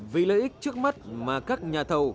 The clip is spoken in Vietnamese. vì lợi ích trước mắt mà các nhà thầu